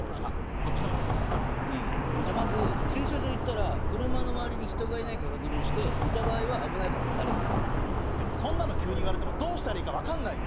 そっちの方が俺も助かるかもじゃあまず駐車場行ったら車の周りに人がいないか確認していた場合は危ないから離れてもらうでもそんなの急に言われてもどうしたらいいか分かんないよ！